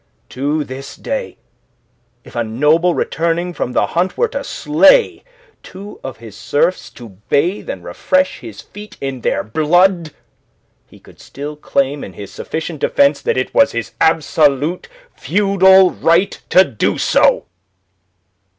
To this day if a noble returning from the hunt were to slay two of his serfs to bathe and refresh his feet in their blood, he could still claim in his sufficient defence that it was his absolute feudal right to do so.